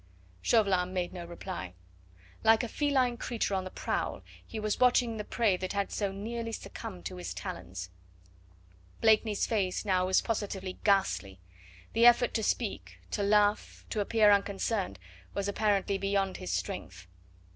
Chauvelin made no reply. Like a feline creature on the prowl, he was watching the prey that had so nearly succumbed to his talons. Blakeney's face now was positively ghastly. The effort to speak, to laugh, to appear unconcerned, was apparently beyond his strength.